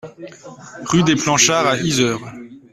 Rue des Planchards à Yzeure